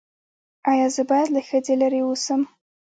ایا زه باید له ښځې لرې اوسم؟